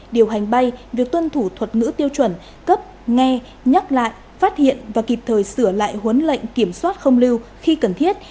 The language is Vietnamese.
điều hành bay việc tuân thủ thuật ngữ tiêu chuẩn cấp nghe nhắc lại phát hiện và kịp thời sửa lại huấn lệnh kiểm soát không lưu khi cần thiết